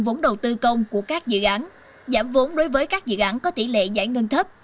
vốn đầu tư công của các dự án giảm vốn đối với các dự án có tỷ lệ giải ngân thấp